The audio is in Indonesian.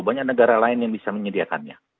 banyak negara lain yang bisa menyediakannya